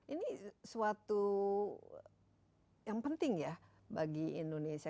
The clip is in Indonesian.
ini suatu yang penting ya bagi indonesia